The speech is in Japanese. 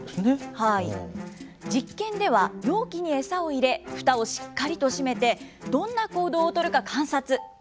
実験では、容器に餌を入れ、ふたをしっかりと閉めて、どんな行動を取るか観察。